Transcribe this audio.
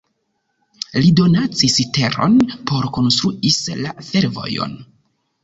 Li donacis teron por konstruis la fervojon.